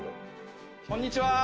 「こんにちは！